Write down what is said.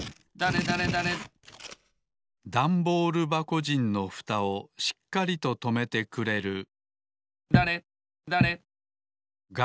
ダンボールばこじんのふたをしっかりととめてくれるだれだれ。